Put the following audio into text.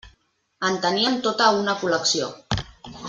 En tenien tota una col·lecció.